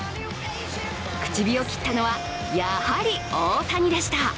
口火を切ったのはやはり、大谷でした。